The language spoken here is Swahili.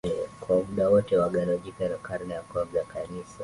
kwa muda wote wa Agano Jipya na karne ya kwanza ya Kanisa